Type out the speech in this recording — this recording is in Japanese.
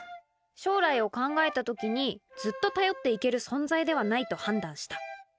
「将来を考えた時に、ずっと頼っていける存在ではないと判断した」。